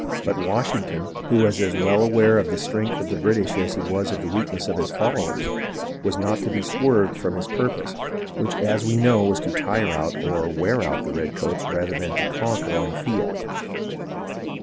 But Washington, who was as well aware of the strength of the British as he was of the weakness of his followers, was not to be swerved from his purpose, which as we know was to tire out or wear out the redcoats rather than to conquer on the field.